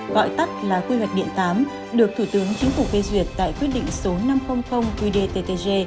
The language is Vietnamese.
gọi tắt là quy hoạch điện tám được thủ tướng chính phủ phê duyệt tại quyết định số năm trăm linh qdttg